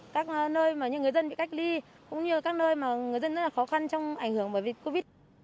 các nơi mà như người dân bị cách ly cũng như các nơi mà người dân rất là khó khăn trong ảnh hưởng bởi dịch covid